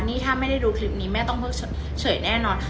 นี่ถ้าไม่ได้ดูคลิปนี้แม่ต้องเพิ่งเฉยแน่นอน